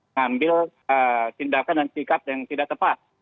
ngambil tindakan dan sikap yang tidak tepat